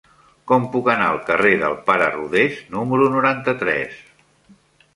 Com puc anar al carrer del Pare Rodés número noranta-tres?